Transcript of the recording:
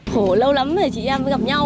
khổ lâu lắm rồi chị em mới gặp nhau